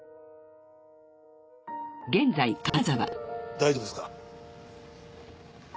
大丈夫ですか？